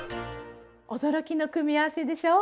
驚きの組み合わせでしょう？